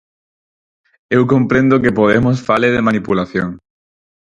Eu comprendo que Podemos fale de manipulación.